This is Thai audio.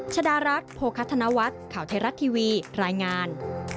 ชดารักษ์โภคัทนวัตรข่าวไทยรัฐทีวีรายงาน